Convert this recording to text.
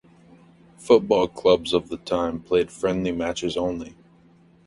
Football clubs of the time played friendly matches only.